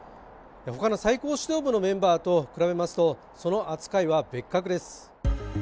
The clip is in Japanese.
他の最高指導部のメンバーと比べますと、その扱いは別格です。